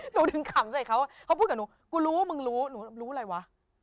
หนูถึงขำใส่เขาเขาพูดกับหนูกูรู้ว่ามึงรู้หนูรู้อะไรวะ